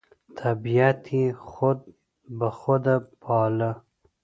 طبیعت یې خود بخوده باله،